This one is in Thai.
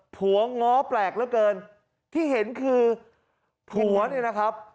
วง้อแปลกเหลือเกินที่เห็นคือผัวเนี่ยนะครับ